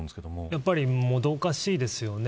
やっぱりもどかしいですよね。